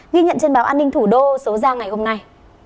ghi nhận trên báo an ninh thủ đô số ra ngày hôm nay